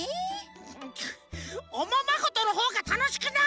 おままごとのほうがたのしくない！